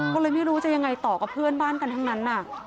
ก็เลยไม่รู้จะยังไงต่อกับเพื่อนบ้านกันทั้งนั้น